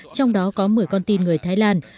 trong đó có một mươi con tin người thái lan